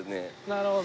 なるほど。